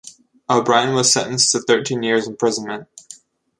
O'Brien was sentenced to thirteen years imprisonment.